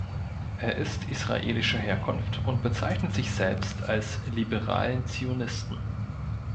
Er ist israelischer Herkunft und bezeichnet sich selbst als "liberalen Zionisten".